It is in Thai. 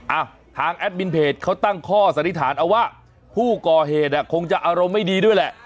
อ่ะทางแอดมินเพจเขาตั้งข้อสันนิษฐานเอาว่าผู้ก่อเหตุอ่ะคงจะอารมณ์ไม่ดีด้วยแหละ